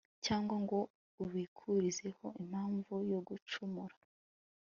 cyangwa ngo ubikurizeho impamvu yo gucumura